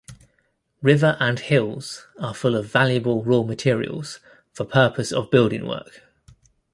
River and hills are full of valuable raw materials for purpose of building work.